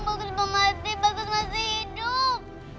bagus banget sih bagus masih hidup